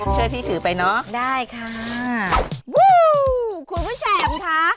ช่วยพี่ถือไปเนอะได้ค่ะวู้คุณผู้ชมค่ะ